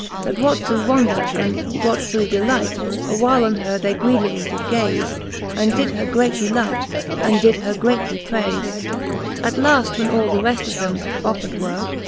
That what through wonder, and what through delight, A while on her they greedily did gaze. And did her greatly like, and did her greatly praize* XIV. At laft when all the reft them offred were.